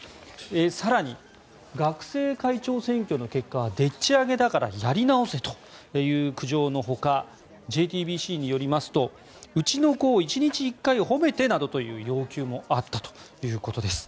更に、学生会長選挙の結果はでっち上げだからやり直せという苦情のほかＪＴＢＣによりますとうちの子を１日１回褒めてなどという要求もあったということです。